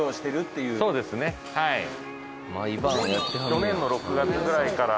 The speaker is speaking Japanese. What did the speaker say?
去年の６月ぐらいから。